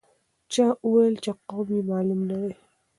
چا وویل چې قوم یې معلوم نه دی.